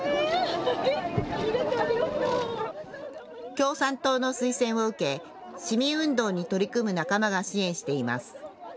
共産党の推薦を受け、市民運動に取り組む仲間が支援しています。